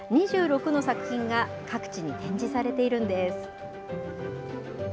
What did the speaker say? ２６の作品が各地に展示されているんです。